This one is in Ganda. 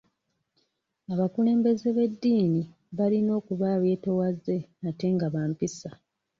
Abakulembeze b'eddiini balina okuba abeetoowaze ate nga ba mpisa.